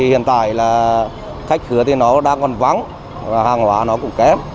hiện tại khách khứa nó đang còn vắng và hàng hóa nó cũng kém